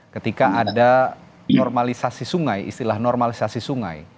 ketika ada normalisasi sungai istilah normalisasi sungai